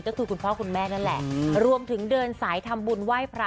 ก็คือคุณพ่อคุณแม่นั่นแหละรวมถึงเดินสายทำบุญไหว้พระ